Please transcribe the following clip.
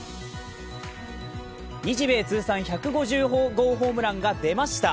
日米通算１５０号ホームランが出ました。